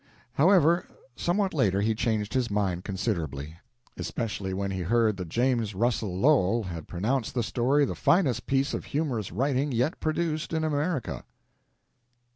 However, somewhat later he changed his mind considerably, especially when he heard that James Russell Lowell had pronounced the story the finest piece of humorous writing yet produced in America.